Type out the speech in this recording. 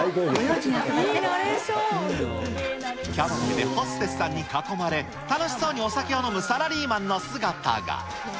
キャバレーでホステスさんに囲まれて、楽しそうにお酒を飲むサラリーマンの姿が。